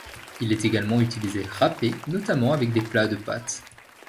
Il est également utilisé râpé, notamment avec des plats de pâtes.